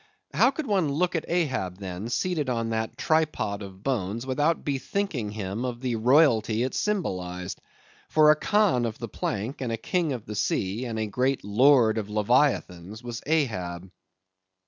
How could one look at Ahab then, seated on that tripod of bones, without bethinking him of the royalty it symbolized? For a Khan of the plank, and a king of the sea, and a great lord of Leviathans was Ahab.